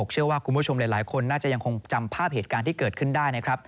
เชื่อว่าคุณผู้ชมหลายคนน่าจะยังคงจำภาพเหตุการณ์ที่เกิดขึ้นได้นะครับ